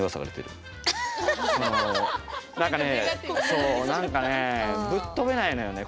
そう何かねぶっ飛べないのよね